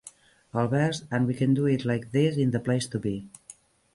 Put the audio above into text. El vers "And we can do it like this, in the place to be".